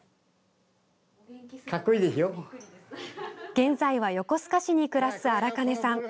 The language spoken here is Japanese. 現在は横須賀市に暮らす荒金さん。